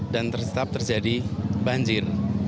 dan tetap terjadi banjir